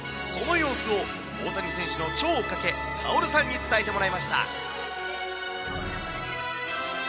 その様子を大谷選手の超追っかけ、かおるさんに伝えてもらいました。